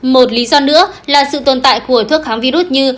một lý do nữa là sự tồn tại của thuốc kháng virus như